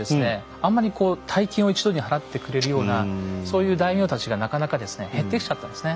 あんまりこう大金を一度に払ってくれるようなそういう大名たちがなかなか減ってきちゃったんですね。